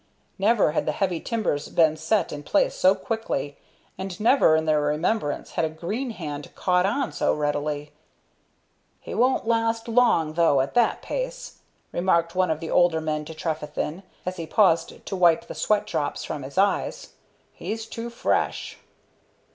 Never had the heavy timbers been set in place so quickly, and never in their remembrance had a green hand "caught on" so readily. "He won't last long, though, at that pace," remarked one of the older men to Trefethen, as he paused to wipe the sweat drops from his eyes, "he's too fresh."